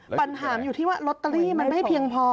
ปัญหาอยู่ที่ว่าลอตเตอรี่มันไม่เพียงพอ